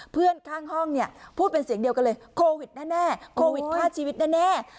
เพื่อนข้างห้องเนี่ยพูดเป็นเสียงเดียวกันเลยโควิดแน่โควิดพลาดชีวิตแน่